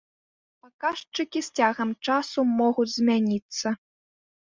Паказчыкі з цягам часу могуць змяніцца.